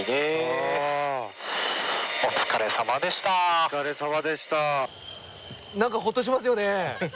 お疲れさまでした。